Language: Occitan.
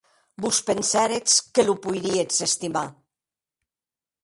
Vos pensèretz que lo poirietz estimar!